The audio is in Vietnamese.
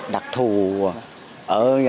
đặc thù ở